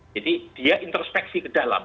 jadi dia introspeksi ke dalam